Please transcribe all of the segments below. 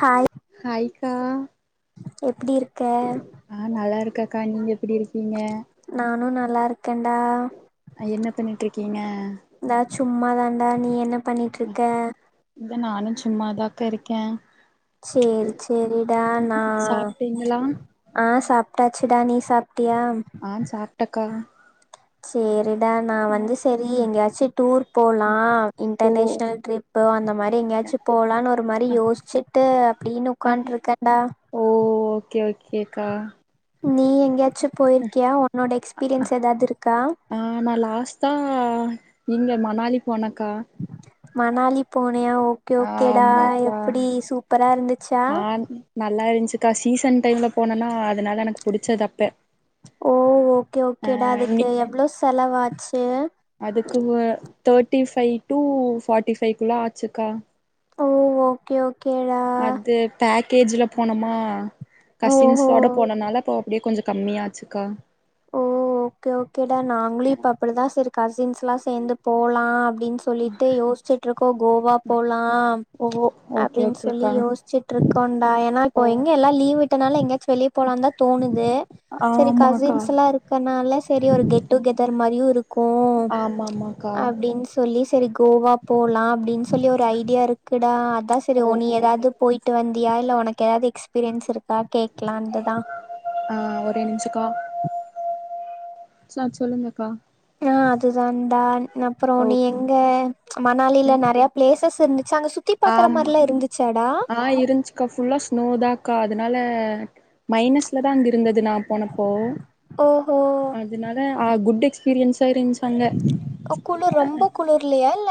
Hi ஹாய்க்கா எப்டி இருக்க ஆ நல்லா இருக்கக்கா நீங்க எப்டி இருக்கீங்க நானு நல்லா இருக்கேன்டா ஆ என்ன பண்ணிட்டுருக்கீங்க நா சும்மா தான்டா நீ என்ன பண்ணிட்டுருக்க இந்தா நானு சும்மாதாக்க இருக்கே சேரி சேரிடா நா சாப்ட்டீங்களா ஆ சாப்டாச்சுடா நீ சாப்ட்டியா ஆ சாப்டக்கா சேரிடா நா வந்து செரி எங்கேயாச்சு டூர் போலாம் ஓ இன்டர்நேஷ்னல் ட்ரிப் இப்போ அந்த மாரி எங்கயாச்சு போலான்னு ஒரு மாரி யோசிச்சுட்டு அப்டின்னு ஆ உட்காந்துட்டுருக்கேன்டா ஓ ஓகே ஓகேக்கா நீ எங்கேயாச்சு போயிருக்கியா உன்னோட எக்ஸ்பீரியன்ஸ் ஏதாவது இருக்கா நா லாஸ்ட்டா இங்க மணாலி போனக்கா மணாலி போனீயா ஓகே ஓகேடா ஆமாக்கா எப்டி சூப்பரா இருந்துச்சா ஆ நல்லா இருந்துச்சுக்கா சீசன் டைம்ல போனனா அதனால எனக்கு புடிச்சது அப்ப ஓ ஓகே ஆ ஓகேடா நீ அதுக்கு எவ்ளோ செலவாச்சு அதுக்கு ஒ தேர்ட்டி ஃபைவ் டூ ஃபார்ட்டி ஃபைவ்குள்ள ஆச்சுக்கா ஓ ஓகே ஓக் கேடா அடது பேக்கேஜ்ல போனமா ஓஹோ கசின்ஸோட போனனால அப்போ அப்டியே கொஞ்ச கம்மியாச்சுக்கா ஓ ஓகே ஓகேடா நாங்களு இப்ப அப்டிதா செரி கசின்ஸ் ல்லா சேந்து போலா அப்டின்னு சொல்லிட்டு யோசிச்சிட்டுருக்கோ கோவா போலா ஓ ஓகே அப்டின்னு சொல்லி ஓகேக்கா யோசிச் ச்சுட்டு இருக்கோண்டா ஏனா ஓ இப்போ எங்க எல்லா லீவ் விட்டனால எங்காச்சு வெளிய போலாந்தா தோணுது சரி ஆமாக்கா கசின்ஸ் எல்லா இருக்கனால சரி ஒரு கெட்டு கெதர் மாதிரியு இருக் கு ஆமா ஆமாக்கா அப்டின்னு சொல்லி சரி கோவா போலாம் அப்டின்னு சொல்லி ஒரு ஐடியா இருக்குடா அதா சரி ஒ நீ ஓகே ஏதாது போயிட்டு வந்தியா இல்ல ஒனக்கு ஏதாது எக்ஸ்பீரியன்ஸ் இருக்கா கேக்கலான்ட்டுதா ஆ ஒரே நிமிஷக்கா சார் சொல்லுங்க அக்கா ஆ அதுதான்டா அப்புற நீ ஓகே எங்க மணாலில ம் நெறைய பிளேசஸ் இருந்துச்சா அங்க சுத்தி பாக்கற ஆமா மாரிலா இருந்துச்சாடா ஆ இருந்ச்சு க்கா ஃபுல்லா ஸ்னோதாக்கா அதனால மைனஸ்ல தா அங்க இருந்தது நா போனப்போ ஓஹோ அதனால ஆ குட் எக்ஸ்பீரியன்ஸா இருந்ச்சு அங்க க்கா குளுர் ரொம்ப குளுர்ல்லையா இல்ல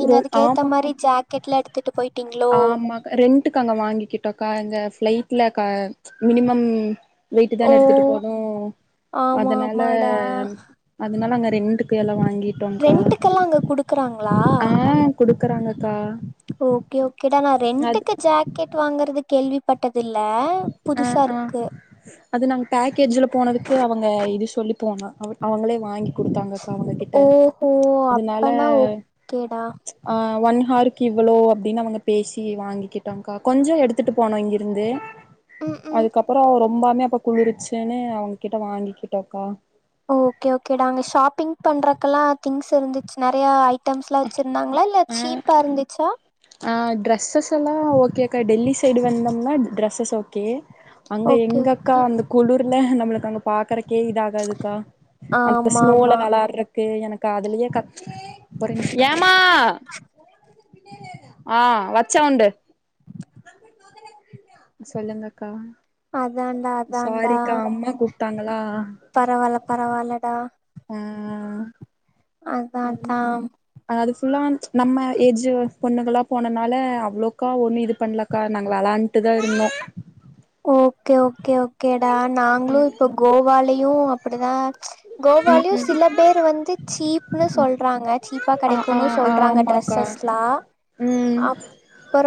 நீங்க ரொ அதுக்க ஏத்த ஆமாக்கா மாரி ஜாக்கெட்லா எடுத் துட்டு போயிட்டிங்களோ ஆமாக்கா ரெண்ட்டுக்கு அங்க வாங்கிக்கிட்டோக்கா அங்க ஃப்ளைட்ல மினிமம் வெயிட்டு ஓ தான எடுத்துட்டு போனு ஆமா அதனால ஆமாடா அதனால அங்க ரெண்ட்டுக்கு எல்லா வாங்கிட் ரெண்ட்டுக்கெல்லா அங்க குடுக்குறாங்களா ஆ குடுக்குறாங்கக்கா ஓகே ஓகேடா நா அது ரெண்ட்டுக்கு ஜாக்கெட் வாங்கறது கேள்விப்பட்டது இல்ல ஆ ஆ அது நாங்க பேக்கேஜ்ல போனதுக்கு அவங்க இது சொல்லிப்போவாங்க அவங்களே வாங்கி குடுத்தாங்கக்கா அவுங்ககிட்ட ஓஹோ அதுனால அப்பனா ஓகேடா ஆ ஒன் ஹார்க்கு இவ்ளோ அப்டின்னு அவங்க பேசி வாங்கிக்கிட்டங்கா கொஞ்ச எடுத் துட்டு போனோ இங்கிருந்து ம் ம் அதுக்கப்புற ரொம்பாமே அப்ப குளிருச்சுன்னு அவுங்ககிட்ட வாங்கிக்கிட்டோக்கா ஓகே ஓகேடா அங்க ஷாப்பிங் பண்றக்கெல்லா திங்ஸ் இருந்துச்சு நெறையா ஐட் டம்ஸ்லா வச்சிருந்தாங்களா இல்ல ஆ சீப்பா இருந்துச்சா ஆ ட்ரெஸ்ஸஸ் எல்லா ஓகேக்கா டெல்லி சைடு வந்தோம்னா ட்ரெஸ்ஸஸ் ஓகே அங்க ஓகே எங்க அக்கா ஓகே அந்த குளுர்ல நம்மளுக்கு அங்க பாக்கறக்கே இதா ருக்காதுக்கா அந்த ஆமா ஸ்னோல ஆமா வெளாடுறக்கு எனக்கு அதுலயே கத் புரிஞ்சுச்சு சொல்லுங்கக்கா அதாண்டா அதாண்டா சாரிக்கா அம்மா கூப்ட்டாங்களா பரவால்ல பரவால்லடா ம் ஆ அதா அதா ஆ அது ஃபுல்லா நம்ம ஏஜ் பொண்ணுகளா போனனால அவ்வளவுக்கா ஒண்ணும் இது பண்ல க்கா நாங்க வெளாண்டுட்டுதா இருந்தோ ஓகே ஓகே ஓகேடா நாங்களு ம் இப்ப கோவாலியு அப்டிதா ம் கோவாலியு ம் சில பேர் வந்து சீப்ன்னு சொல்றாங்க சீப்பா ஆ கெடைக் ஆ குன்னு சொல்றாங்க ஆமாக்கா ட்ரெஸ்ஸஸ்லா ம் அப்புற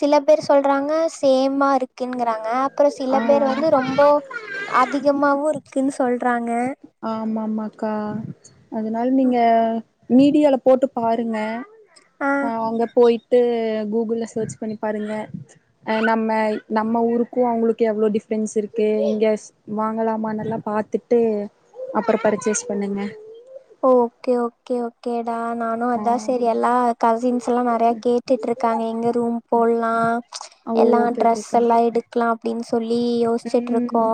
சில பேர் சொல்றாங்க சேமா இருக்குன்னு ஆ அப்புற சில ஆ பேர் வந்து ரொம்ப அதிகமாவு இருக்குன்னு சொல்றாங்க ஆமாமாக்கா அதனால நீங்க மீடியால போட்டு பாருங்க. ஆ அங்க போயிட்டு கூகுள்ல சர்ச் பண்ணி பாருங்க அ நம்ம நம்ம ஊருக்கு அவங்களுக்கு எவ்வளோ டிஃப்ரென்ஸ் இருக்கு இங்கேச் வாங்கலாமா நல்லா பாத்துட்டு அப்புற பர்ச்சேஸ் பண்ணுங்க ஓகே ஓகே ஓகேடா நா நா ஆ அதா செரி எல்லா கசின்ஸ் எல்லா நெறைய கேட்டுட்டு இருக்காங்க எங்க ரூம் போட்லா ஆ எல்லா ஓகே ட்ரெஸ் ஓகேக்கா எல்லா எடுக்குலா அப்டின்னு சொல்லி யோச்சுட்ருக்கோ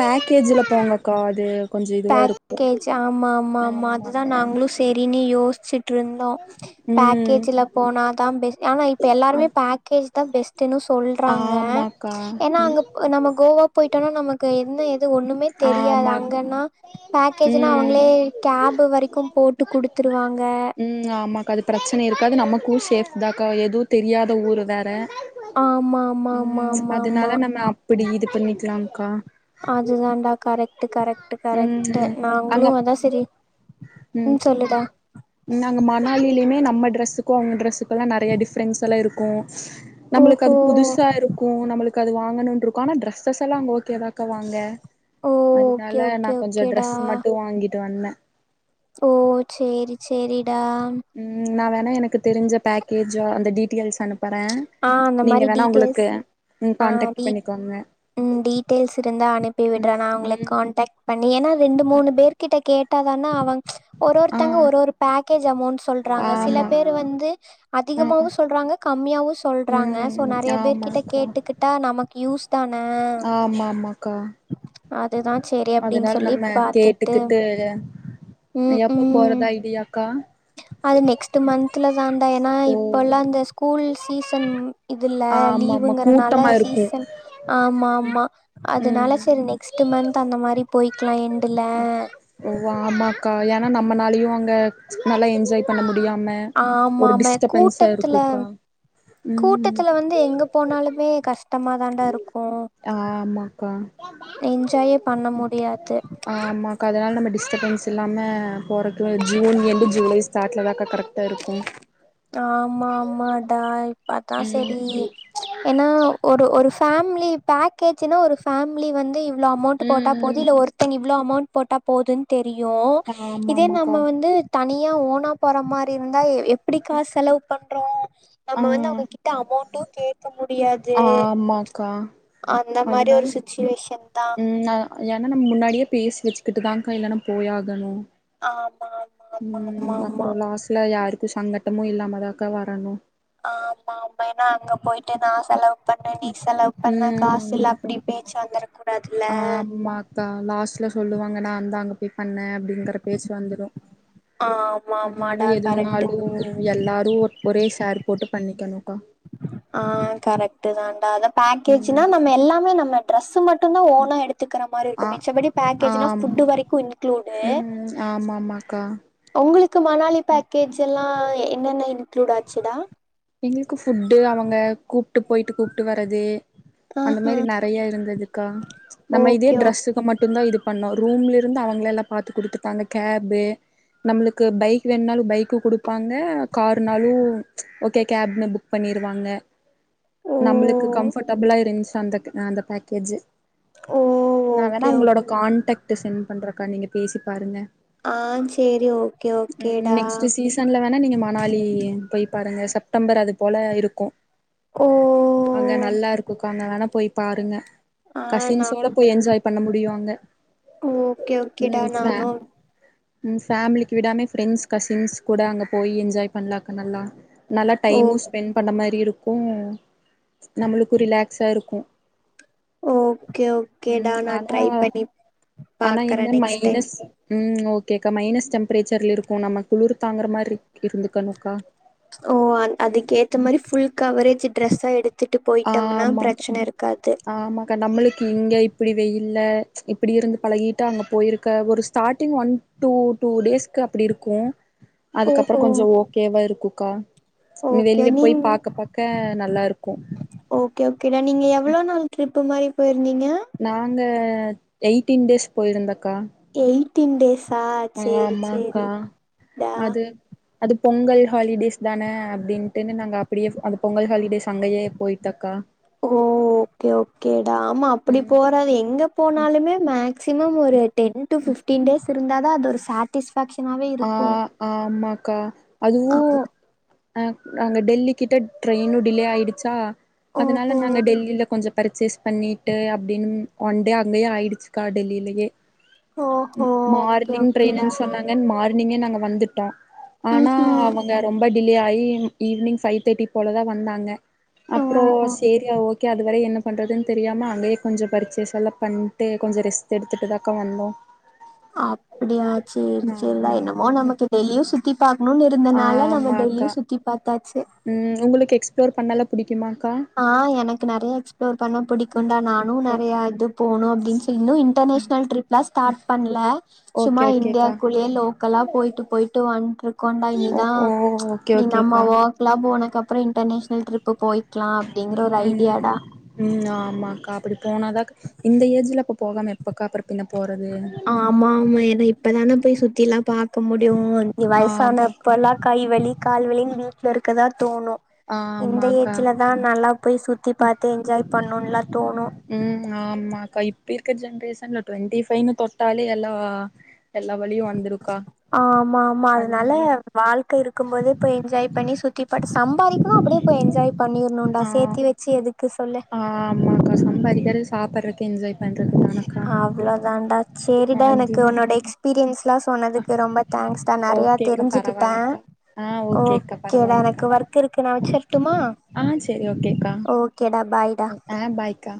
பேக்கேஜுல போங்கக்கா அது கொஞ்ச இதுவாக பேக் இருக் கேஜ் ஆமா ஆமா ஆமா அதுதா நாங்களு சேரினு யோச்சுட்ருந்தோ பேக் ம் கேஜ்ல போனா தா பெ ஆனா இப்போ எல்லாருமே பேக்கேஜ் தா பெஸ் டுன்னு சொல்றாங்க ஆமாக்கா ஏன்னா ம் அங்க நம்ம கோவா போயிட்டோனா நமக்கு என்ன ஏது ஒண்ணுமே தெரியாது ஆமாக்கா அங்கன்னா பேக்கேஜ்ன்னா அவங்களே ம் கேப் வரைக்கு போட்டு குடுத்துருவாங்க ம் ஆமாக்கா அது பிரச்சன இருக்காது நமக்கு சேஃப் தாக்கா எதுவு தெரியாத ஊரு வேற ஆமா ஆமா ஆமா ம் ஆமா ஆமா அதுனால நம்ம அப்டி இது பண்ணிக்குலாக்கா அதுதான்டா கரெக்ட் கரெக்ட் கரெக்ட் ம் அங்க நாங்களு அதா சரி ம் நாங்க மணாலிலேயுமே நம்ம டிரெஸ்ஸுக்கு அவங்க டிரெஸ்ஸுக்குல்லா நறைய டிஃப்ரன்ஸ்ஸெல்லா இருக்கு நம்மளுக்கு ஓஹோ அது புதுசா இருக்கு நம்மளுக்கு அது வாங்கணுருக்கு ஆனா டிரெஸஸ் எல்லா அங்க ஓகே ஏதாக்கா வாங்க ஓ ஓகே அதுனால நா ஓகே கொஞ்ச ஓகேடா ட்ரெஸ் மட்டு வாங்கிட்டு வந்தே ஓ சேரி சேரிடா ம் நா வேணா எனக்கு தெரிஞ்ச பேக்கேஜோ அந்த டீட்டெயில்ஸ் அனுப்புறே ஆ அந்த நீங்க மாரி வேணா டீடெய்ல்ஸ் உங்களுக்கு ம் ஆ கான்டக்ட் டி பண்ணிக்கோங்க ம் டீடெயில்ஸ் இருந்தா அனுப்பிவிடுறே நா உங்களுக் ம் கான்டாக் பண்ணி ஏன்னா ரெண்டு மூணு பேர்கிட்ட கேட்டாதானா அவங்க ஒரு ஆ ஒருத்தங்க ஒரு ஒரு பேக்கேஜ் அமௌண்ட் சொல்றாங்க சில ஆமா பேர் வந்து ஆ அதிகமாவு சொல்றாங்க கம்மியாவு சொல்றாங்க சோ ம் நறைய பேர் கிட்ட ஆமாக்கா கேட்டுகிட்டா நமக்கு யூஸ் தானே ஆமா ஆமாக்கா அதுதா சேரி அப்டின்னு அதுனால் சொல்லி நம்ம பாத்துட்டு கேட்டுக்குட்டு ம் எப்ப ம் போறதா ஐடீயாக்கா அது நெக்ஸ்ட் மந்துல தான்டா ஏன்னா ஓ இப்ப எல்லா அந்த ஸ்கூல் சீசன் இதுல்ல ஆமா ஆமா லீவுங்குறனால கூட்டமா இருக்கு சீசன் ஆமா ஆமா அதுனால ம் சரி நெக்ஸ் ட்டு மந்த் அந்த மாரி போய்க்குலா எந் ஓ ஆமாக்கா ஏன்னா நம்மனாலயு அங்க நல்லா என்ஜாய் பண்ண முடியாம ஆமா ஒரு ஆமா டிஸ்டபன்ஸா கூட்டத்துல இருக்குக்கா ம் கூட்டத்துல வந்து எங்க போனாலுமே கஷ்டமா தான்டா இருக்கு ஆமாக்கா என்ஜாயே பண்ண முடியாது அம்மாக்கா அதுனால நம்ம டிஸ்டபன்ஸ் இல்லாம போற து ஜூன் எண்டு ஜூலை ஸ்டார்ட்ல தாக்கா கரெக்டா இருக்கு ஆமா ஆமாடா இப்ப அதா ம் சரி ஏன்னா ஒரு ஒரு ஃபேமிலி பேக்கேஜ்ன்னா ஒரு ஃபேமிலி வந்து இவ் ள அமௌண்ட் போட்டா போது ம் இல்ல ஒருத்தங்க இவ்ளோ அமௌண்ட் போட்டா போதுன் தெரியு இதே ஆமாமாக்கா நம்ம வந்து தனியா ஓனா போற மாரி இருந்தா எ எப் டிக்கா செலவு பண்றோ நம்ம ஆ வந்து அவங்ககிட்ட அமௌண்டு கேக் க்க முடியாது ஆமாக்கா அந்த மாரி அதனால ஒரு சுச்சுவேஷன்தா ம் அ ஏன்னா நம்ம முன்னாடியே பேசி வச்சுக்கிட்டுதாக்கா இல்லனா போயாகணு ஆமா ஆமா ஆமா ம் ஆமா அப்பறோ ஆமா லாஸ்ட்ல யாருக்கு சங்கட்டமு இல்லாமதாக்கா வரணு ஆமா ஆமா எனா அங்க போயிட்டு நா செலவு பண்ணே நீ செலவு பண்ண காசுல அப்டி பேச்சு வந்துருக்கூ ஆ ஆமா அக்கா லாஸ்ட்ல சொல்லுவாங்க நாந்தா அங்க போய் பண்ணே அப்டிங்கற பேச்சு வந்துரு ஆமா ஆமாடா அதனால கரெக்ட்டு எதுவுனாலு எல்லாரு ஒரே ஷேர் போட்டு பண்ணிக்கணுக்கா ஆ கரெக்ட் தான்டா அதா ம் பேக்கேஜ்னா நம்ம எல்லாமே நம்ம ட்ரெஸ்ஸு மட்டுந்தா ஓனா எடுத்துக்கிற ஆ மாரிருக்கு மிச்சப்படி பேக்கேஜ்னா ஃபுட் ஆமா வரைக்கு இன்குளூடு ம் ஆமாமாக்கா உங்களுக்கு மணாலி பேக்கேஜ் எல்லா என்னென்ன இன்க்ளூட் ஆச்சுடா எங்களுக்கு ஃபுட்டு அவங்க கூப்ட்டு போயிட்டு கூப்ட்டு வரது அந்த ஆஹா மாரி நெறைய இருந்ததுக்கா நம்ம இதே ஓகே ஓ ட்ரெஸ்ஸுக்கு மட்டுந்தா இது பண்ணோ ரூம்ல இருந்து அவங்கள எல்லா பாத்து குடுத்துட்டாங்க கேபு நம்மளுக்கு பைக் வேணுனாலு பைக்கு குடுப்பாங்க காருனாலு ஓக் கே கேப்லா புக் பண்ணிருவாங்க ஓ நம்மளுக்கு கம்ஃபர்ட்டபுளா இருந்துச்ச அந்த அந்த பேக் கேஜு ஓ நா வேணா ஓகே ஓ அவ்ங்களோட கான்டக்ட் சென்ட் பண்றக்கா நீங்க பேசி பாருங்க ஆ சரி ஓகே ஓகேடா சன்ல வேணா நீங்க மணாலி போய் பாருங்க செப்டம்பர் அது போல இருக்கு கோ அங்க நல்லா இருக்குக்க அங்க வேணா போய் பாருங்க ஆ நா கசின்ஸோட போய் எஞ்ஜாய் பண்ண முடியு அங்க ஓகே ஓகேடா நானு உங் ஃபேமிலிக்கு விடாமே ஃப்ரெண்ட்ஸ் கசின்ஸ் கூட அங்க போய் எஞ்ஜாய் பண்லாக்க நல்லா நல்லா ஓ டைமு ஸ்பெண்ட் பண்ண மாரி இருக்கு நம்மலுக்கு ரிலாக்ஸா இருக்கு ஓகே ஓகேடா ம் நா ஆனா ட்ரை பண்ணி ஆனா பாக்குறே என்ன நெக்ஸ்ட் டைம் மைனஸ் ம் ஓகேக்கா மைனஸ் டெம்பரேச்சர்ல இருக்கு நம்ம குளிர் தாங்குற மாரி இருந்துக்கனுக்கா ஓ அ அதுக்கேத்த மாரி ஃபுல் கவரேஜ் ட்ரெஸ்ஸா எடுத் துட்டு போயிட்டம்னா பிரச்சன இருக்காது கா நம்மளுக்கு இங்க இப்டி வெயில இப்டி இருந்து பழகிட்டா அங்க போயிருக்க ஒரு ஸ்டார்ட்டிங் ஒன் டூ டூ டேஸ்க்கு அப்டி இருக்கு அதுக்கப்பறோ ஓஹோ கொஞ்சொ ஓகேவா இருக்குக்கா நீ ஓகே வெளியே போய் நீங் பார்க்க பாக்க நல்லாருக்கு ஓகே ஓகேடா நீங்க எவ்ளோ நாள் ட்ரிப்பு மாரி போயிருந்தீங்க நாங்க எயிட்டீன் டேஸ் போயிருந்தக்கா எயிட்டின் டேஸா செரி செரி ஆமாக்கா டா அது அது பொங்கல் ஹாலிடேஸ் தானே அப்டின்ட்டுனு நாங்க அப்டியே அந்த பொங்கல் ஹாலிடேஸ் அங்கேயே பொயிட்டக்கா ஓ ஓகே ஓகேடா ஆமா அப்டி ம் போறது எங்க போனாலுமே மேக்சிமம் ஒரு டென் டு ஃபிஃப்டீன் டேஸ் இருந்தாதா அது ஒரு சேட் டிஸ்பாக்சனாவே அ ஆமாக்கா அதுவு அ நாங்க டெல்லி கிட்ட ட்ரெயினு டிலே ஆயிடுச்சா அதனால ஓஹோ நாங்க டெல்லில கொஞ்சொ பர்ச்சேஸ் பண்ணிட்டு அப்டின்னு ஒன்டே அங்கேயே ஆயிடுச்சுக்கா டெல்லிலேயே ஓஹோ ம் ஓகே மார்னிங் ஓகேடா ட்ரெயின்னு சொன்னாங்க மார்னிங்கே நாங்க வந்துட்டோ ம் ஆனா ம் அவங் ரொம்ப டிலே ஆகி ஈவினிங் பைவ் தேர்டி போலதா வந்தாங்க அப்புறம் ஓ சரி ஓ கே அது வரை என்ன பண்ணுறதுன்னு தெரியாம அங்கேய கொஞ்ச பர்ச்சேஸ் எல்லா பண்ணிட்டு கொஞ்ச ரெஸ்த் எடுத்துட்டு தாக்கா வந்தோ அப்டியா செரி செரிடா என்னமோ ஆமாக்கா நமக்கு டெலியு சுத்தி பாகக்கணும்னு இருந்தனால நம்ம டெயிலியு ஆமாக்கா சுத்தி பாத்தாச்சு ம் உங்களுக்கு எக்ஸ் ப்ளோர் பண்ணாலா பிடிக்குமாக்கா ஆ எனக்கு நெறைய எக்ஸ்ப்ளோர் பண்ண பிடிக்கும்டா நானு ஓ நெறைய இது போனு அப்டின்னு சொல்ல இன்னு இன்ர்நேஷனல் ட்ரிப்லாம் ஸ்டார்ட் பண்ணல சும்மா ஓகே ஓகேக்கா இந்தியாக்குள்ளயே லோக்கலா போயிட்டு போயிட்டு வந்ட்டு இருக்கொண்டா ஓ இனிதா ஓ ஓகே இனி ஓகேக்கா நம்மவொர்க் ல்லா போனக்கு அப்புறோ இன்டர்நேஷனல் ட்ரிப்பு போய்க்கலா அப்டிங்கிற ஒரு ம் ஐடியாடா ம் ஆமா அக்கா அப்டி போனாதா இந்த ஏஜ்ல அப்ப போகாம எப்பக்கா அப்புற பின்ன போறது ஆமா ஆமா ஏன்னா இப்பதானே போய் சுத்தி எல்லா பாக்க முடியு இனி வயசான ஆமாக்கா அப்பல்லா கைவலி கால்வலின் வீட்டுல இருக்கதா தோணு இந்த ஆமாக்கா ஏஜ்ல தா நல்லா போய் சுத்தி பாத்து என்ஜாய் பண்ணும்லா தோணு ம் ஆமாக்க இப்ப இருக்கிற ஜெனரேஷன்ல டுவெண்ட்டி ஃவைனு தொட்டாலே எல்லாம் எல்லா வழியு வந்துருக்கா ஆமா ஆமா அதனால வாழ்க்கை இருக்கும் போது இப்ப என்ஜாய் பண்ணி சுத்தி பாட்டு சம்பாதி ம் அப்டியே போய் என்ஜாய் பண்ணிடணும்டா சேத்தி வச்சு எதுக்கு சொல்லு ஆ ஆமாங்க சம்பறிக்கிறது சாப்பிடுறதுக்கு என்ஜாய் பண்றதனா அவ்வளோதாடா செரிடா எனக்கு அதுதா உன்னோட எக்ஸ் எக்ஸ்பீரியஸெல்லா சொன்னதுக்கு ரொம்ப தேங்க்ஸ் டா நெறய ஓகேக்கா தெரிஞ்சுக்கிட்டே பரவால்லக்கா ஆ ஓகேக்கா ஓகே டா பரவால்லக்கா எனக்கு ஒர்க் இருக்கு நா வச்சரட்டுமா ஆ சரி ஓகேக்கா ஓகேடா பாய்டா ஆ பாய்கக்கா